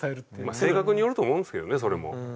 性格によると思うんですけどねそれも。